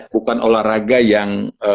bukan olahraga yang